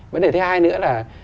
vấn đề thứ hai nữa là